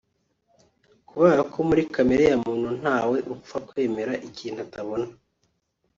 Kubera ko muri kamere ya muntu ntawe upfa kwemera ikintu atabona